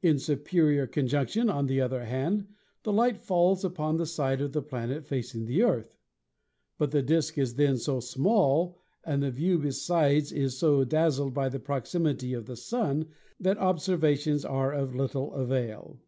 In superior conjunction, on the other hand, the light falls full upon the side of the planet facing the Earth ; but the disk is then so small and the view besides is so dazzled by the proximity of the Sun that observa tions are of little avail.